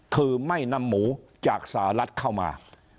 คือไม่นำหมูจากสหรัฐเข้ามา